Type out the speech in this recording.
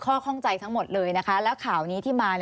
ข้อข้องใจทั้งหมดเลยนะคะแล้วข่าวนี้ที่มา